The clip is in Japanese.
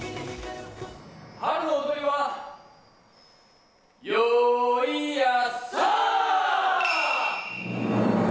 春の踊りはよーいやっさ！